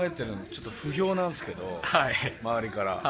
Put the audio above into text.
ちょっと不評なんですけど周りから。